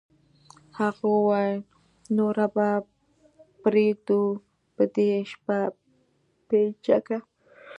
هغه وویل نوره به پرېږدو په دې شپه پیچکه